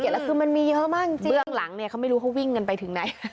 แล้วคือมันมีเยอะมากจริงเบื้องหลังเนี่ยเขาไม่รู้เขาวิ่งกันไปถึงไหน